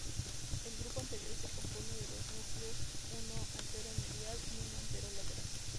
El grupo anterior se compone de dos núcleos, uno antero-medial y uno antero-lateral.